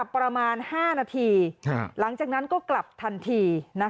ประมาณ๕นาทีหลังจากนั้นก็กลับทันที